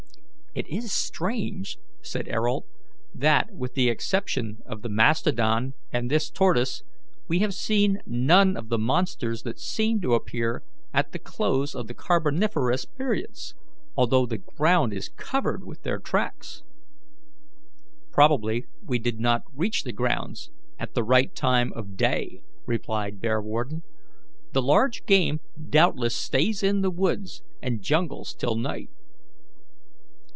"It is strange," said Ayrault, "that, with the exception of the mastodon and this tortoise, we have seen none of the monsters that seem to appear at the close of Carboniferous periods, although the ground is covered with their tracks." "Probably we did not reach the grounds at the right time of day," replied Bearwarden. "The large game doubtless stays in the woods and jungles till night."